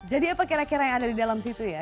jadi apa kira kira yang ada di dalam situ ya